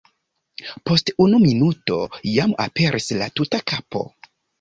Post unu minuto jam aperis la tuta kapo.